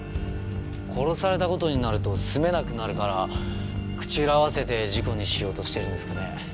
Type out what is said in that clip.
殺された事になると住めなくなるから口裏合わせて事故にしようとしてるんですかね？